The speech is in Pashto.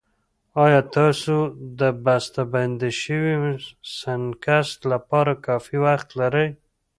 ایا تاسو د بستهبندي شويو سنکس لپاره کافي وخت لرئ؟